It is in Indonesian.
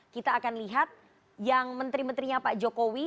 kita akan lihat yang menteri menterinya pak jokowi